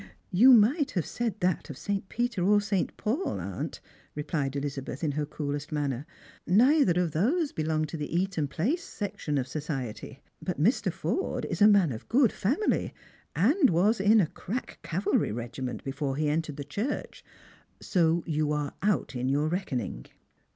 " You might have said that of St. Peter or St. Paul, aunt,'' replied Ehzabeth in her coolest manner; " neither of those be longed to the Eaton place section of society. But Mr. Forde is a man of good family, and was in a crack cavalry regiment be fore he entered the Church. So you are out in your reckoning."